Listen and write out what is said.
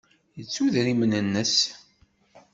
Yettu idrimen-nnes.